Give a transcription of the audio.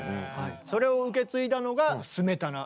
それを受け継いだのがスメタナ。